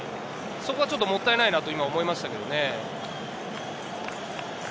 ちょっともったいないと思いましたけどね。